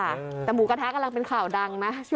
แต่หมูกระทะกำลังเป็นข่าวดังนะ